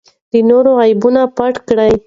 د نورو عیبونه پټ کړئ.